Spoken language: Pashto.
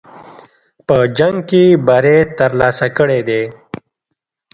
په جنګ کې بری ترلاسه کړی دی.